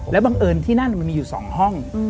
บังเอิญที่นั่นมันมีอยู่๒ห้อง